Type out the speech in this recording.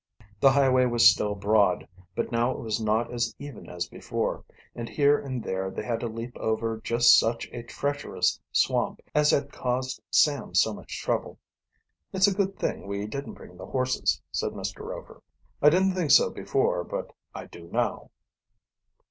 The highway was still broad, but now it was not as even as before, and here and there they had to leap over just such a treacherous swamp as had caused Sam so much trouble. "It's a good thing we didn't bring the horses," said Mr. Rover. "I didn't think so before, but I do now."